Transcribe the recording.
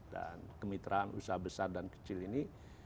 dan kemitraan usaha besar dan kecil ini